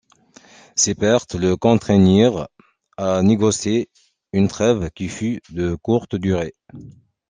Ces pertes le contraignirent à négocier une trêve, qui fut de courte durée.